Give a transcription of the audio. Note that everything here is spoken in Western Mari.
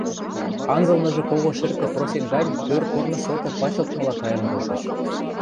Анзылныжы кого шӹртӹ просек гань тӧр корны соты пачылтмыла кайын колтыш.